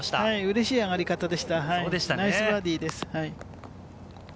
嬉しい上がり方でした、ナイスバーディーです。